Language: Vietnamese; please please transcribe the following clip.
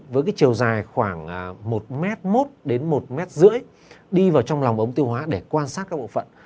với cái chiều dài khoảng một m một đến một mưỡi đi vào trong lòng ống tiêu hóa để quan sát các bộ phận